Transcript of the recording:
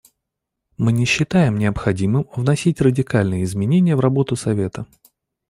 Мы не считаем необходимым вносить радикальные изменения в работу Совета.